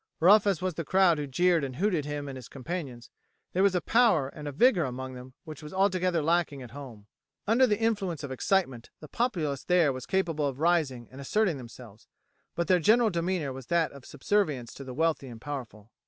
Rough as was the crowd who jeered and hooted him and his companions, there was a power and a vigour among them which was altogether lacking at home. Under the influence of excitement the populace there was capable of rising and asserting themselves, but their general demeanour was that of subservience to the wealthy and powerful.